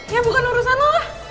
ya bukan urusan lu lah